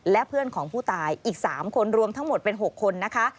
และเพื่อนของผู้ตายอีก๓คนรวมทั้งหมดเป็น๖คนนะคะ